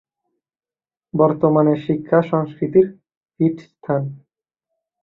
বর্তমানেও শিক্ষা সংস্কৃতির পীঠস্থান।